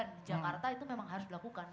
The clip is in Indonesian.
dan jakarta itu memang harus dilakukan